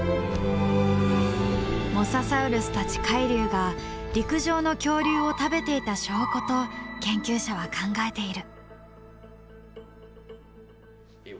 モササウルスたち海竜が陸上の恐竜を食べていた証拠と研究者は考えている。